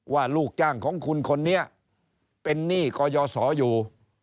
ลูกจ้างของคุณคนนี้เป็นหนี้กยศอยู่